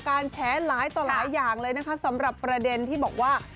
การแฉล้หลายต่อหลายอย่างสำหรับประเด็นที่บอกว่า